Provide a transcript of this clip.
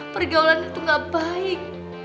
pergaulan itu gak baik